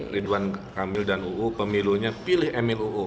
ridwan kamil dan uu pemilunya pilih emil uu